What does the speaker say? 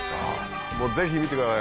ぜひ見てください。